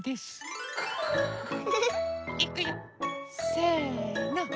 せの。